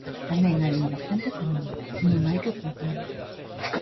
Tamén hai unha vertente económica, non hai que ocultalo.